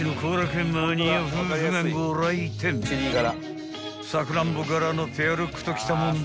［さくらんぼ柄のペアルックときたもんだ］